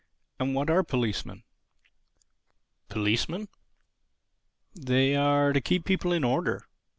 "And what are policemen?" "Policemen? They are to keep people in order.